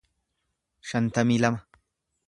shantamii lama